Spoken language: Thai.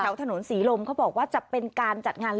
ถนนศรีลมเขาบอกว่าจะเป็นการจัดงาน